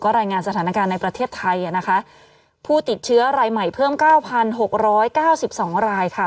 รายงานสถานการณ์ในประเทศไทยอ่ะนะคะผู้ติดเชื้อรายใหม่เพิ่มเก้าพันหกร้อยเก้าสิบสองรายค่ะ